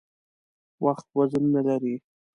وخت وزرونه لري .